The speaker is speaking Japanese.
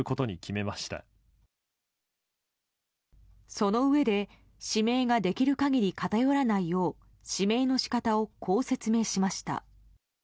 そのうえで、指名ができる限り偏らないよう指名の仕方を、こう説明しました。